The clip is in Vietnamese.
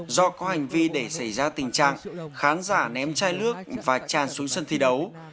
do có hành vi để xảy ra tình trạng khán giả ném chai nước và tràn xuống sân thi đấu